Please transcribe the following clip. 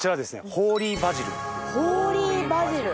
ホーリーバジル。